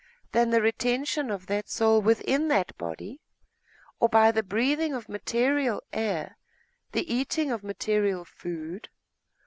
than the retention of that soul within that body by the breathing of material air, the eating of material food?